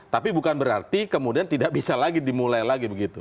tapi bukan berarti kemudian tidak bisa lagi dimulai lagi begitu